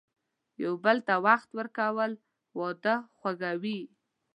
یو بل ته وخت ورکول، واده خوږوي.